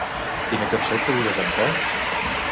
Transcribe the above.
Quina cançó podia cantar?